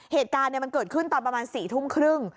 เหตุการณ์มันเกิดขึ้นตอนประมาณ๔ทุ่มครึ่ง